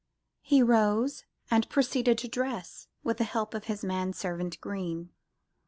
He rose and proceeded to dress, with the help of his manservant Greene.